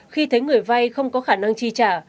khi thấy người vay không có khả năng chi trả